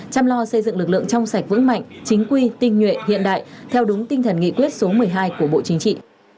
chăm lo xây dựng lực lượng trong sạch vững mạnh chính quy tinh nhuệ hiện đại theo đúng tinh thần nghị quyết số một mươi hai của bộ chính trị